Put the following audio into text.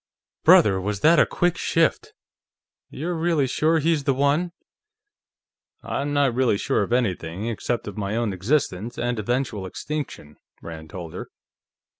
"Brother, was that a quick shift!... You're really sure he's the one?" "I'm not really sure of anything, except of my own existence and eventual extinction," Rand told her.